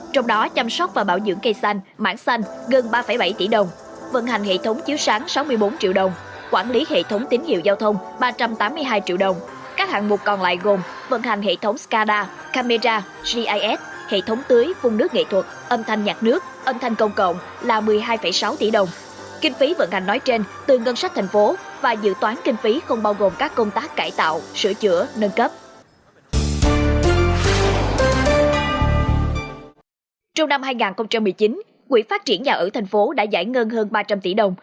trong năm hai nghìn một mươi chín quỹ phát triển nhà ở thành phố đã giải ngân hơn ba trăm linh tỷ đồng